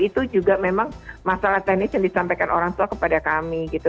itu juga memang masalah teknis yang disampaikan orang tua kepada kami gitu